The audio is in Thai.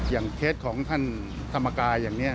เคสของท่านธรรมกายอย่างนี้